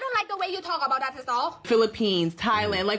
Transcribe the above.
และอันโดยพูดมากกว่าทำไมตัวนายหนัก